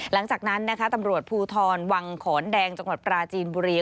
หลังจากนั้นนะคะตำรวจภูทรวังขอนแดงจังหวัดปราจีนบุรี